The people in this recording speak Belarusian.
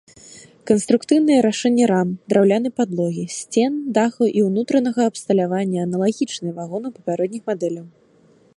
Канструктыўныя рашэнні рам, драўлянай падлогі, сцен, дахаў і ўнутранага абсталявання аналагічныя вагонах папярэдніх мадэляў.